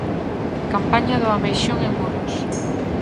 Campaña do ameixón en Muros.